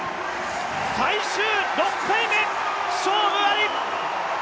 最終６回目、勝負あり。